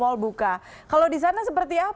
kalau di indonesia kalian bisa mencoba untuk berbincang